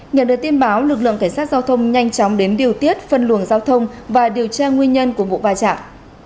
nhận được tin báo lực lượng cảnh sát giao thông nhanh chóng đến điều tiết phân luồng giao thông và điều tra nguyên nhân của vụ va chạm